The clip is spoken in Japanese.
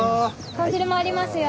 豚汁もありますよ。